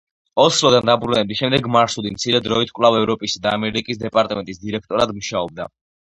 ოსლოდან დაბრუნების შემდეგ მარსუდი მცირე დროით კვლავ ევროპისა და ამერიკის დეპარტამენტის დირექტორად მუშაობდა.